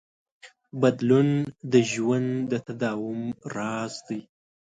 بدلون د ژوند د تداوم راز دی.